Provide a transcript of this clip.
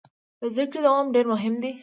د زده کړې دوام ډیر مهم دی.